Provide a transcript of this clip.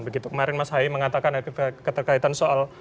kemarin mas hai mengatakan ada keterkaitan soal